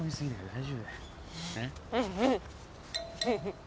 はい。